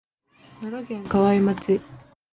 奈良県河合町